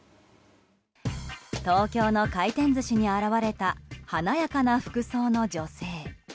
東京の回転寿司に現れた華やかな服装の女性。